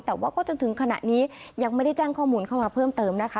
แต่ว่าก็จนถึงขณะนี้ยังไม่ได้แจ้งข้อมูลเข้ามาเพิ่มเติมนะคะ